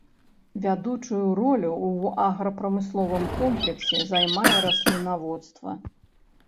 Вядучую ролю ў аграпрамысловым комплексе займае раслінаводства.